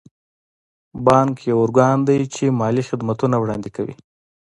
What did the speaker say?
بانک یو ارګان دی چې مالي خدمتونه وړاندې کوي.